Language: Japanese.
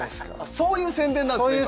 そういう宣伝です。